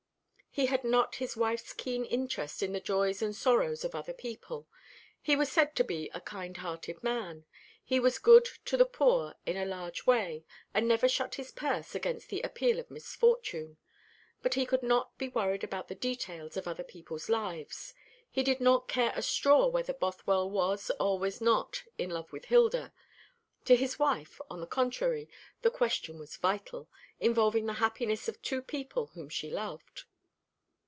He had not his wife's keen interest in the joys and sorrows of other people. He was said to be a kind hearted man. He was good to the poor in a large way, and never shut his purse against the appeal of misfortune. But he could not be worried about the details of other people's lives. He did not care a straw whether Bothwell was or was not in love with Hilda. To his wife, on the contrary, the question was vital, involving the happiness of two people whom she loved.